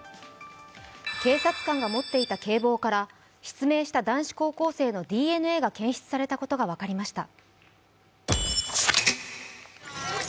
警察官が持っていた警棒から失明した男子高校生のＤＮＡが検出されたことが分かりました。